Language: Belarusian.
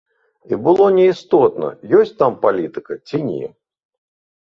І было неістотна, ёсць там палітыка ці не.